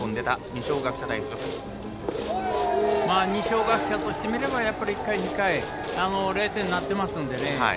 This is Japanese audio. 二松学舍からしてみれば１回、２回０点になっていますのでね。